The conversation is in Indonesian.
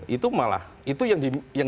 itu malah itu yang